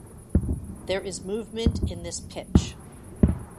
There is movement in this pitch.